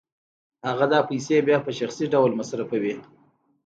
هغه دا پیسې بیا په شخصي ډول مصرفوي